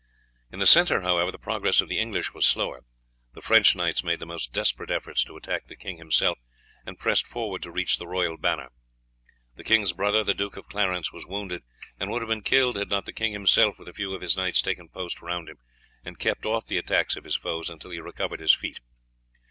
In the centre, however, the progress of the English was slower. The French knights made the most desperate efforts to attack the king himself, and pressed forward to reach the royal banner. His brother, the Duke of Clarence, was wounded, and would have been killed had not the king himself, with a few of his knights, taken post around him, and kept off the attacks of his foes until he recovered his feet.